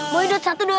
mau yuk dot satu dot